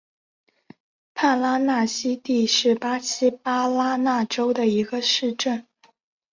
帕拉纳西蒂是巴西巴拉那州的一个市镇。